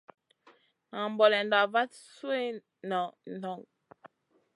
Nan bonenda vat sui nʼongue Noy.